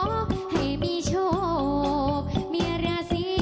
น้ำตาตกโคให้มีโชคเมียรสิเราเคยคบกันเหอะน้ำตาตกโคให้มีโชค